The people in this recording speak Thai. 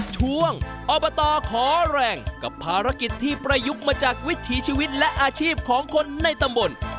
ช่วงอบตขอแรงกับภารกิจที่ประยุกต์มาจากวิถีชีวิตและอาชีพของคนในตำบล